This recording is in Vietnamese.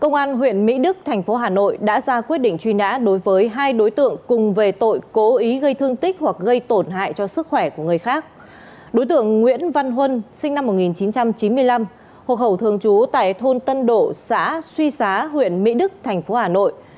đối tượng nguyễn văn huân sinh năm một nghìn chín trăm chín mươi năm hộ khẩu thường trú tại thôn tân độ xã suy xá huyện mỹ đức thành phố hà nội